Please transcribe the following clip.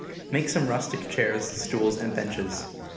Make some rustic chairs, stools, and benches.